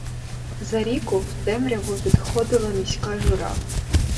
За ріку в темряву відходила міська жура.